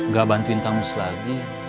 gak bantuin kang mus lagi